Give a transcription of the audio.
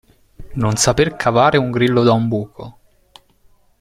Non saper cavare un grillo da un buco.